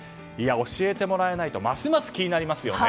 教えてもらえないとますます気になりますよね。